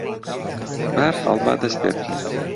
بەهەرحاڵ با دەست پێ بکەین.